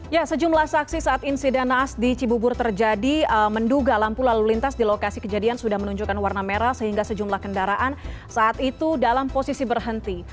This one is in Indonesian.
ya sejumlah saksi saat insiden naas di cibubur terjadi menduga lampu lalu lintas di lokasi kejadian sudah menunjukkan warna merah sehingga sejumlah kendaraan saat itu dalam posisi berhenti